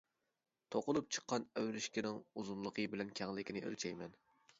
توقۇلۇپ چىققان ئەۋرىشكىنىڭ ئۇزۇنلۇقى بىلەن كەڭلىكىنى ئۆلچەيمەن.